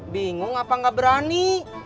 bingung apa gak berani